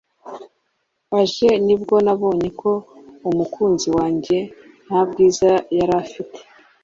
aje nibwo nabonye ko umukunzi wanjye ntabwiza yarafite